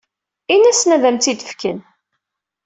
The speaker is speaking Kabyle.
Ini-asen ad am-tt-id-fken.